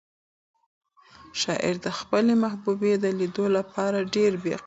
شاعر د خپلې محبوبې د لیدو لپاره ډېر بې قراره دی.